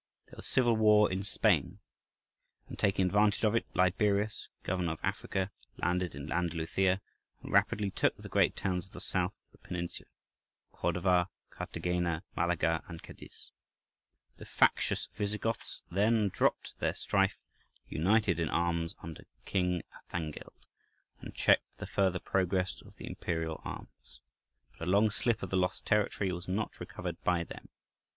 There was civil war in Spain, and, taking advantage of it, Liberius, governor of Africa, landed in Andalusia, and rapidly took the great towns of the south of the peninsula—Cordova, Cartagena, Malaga, and Cadiz. The factious Visigoths then dropped their strife, united in arms under King Athangild, and checked the further progress of the imperial arms. But a long slip of the lost territory was not recovered by them.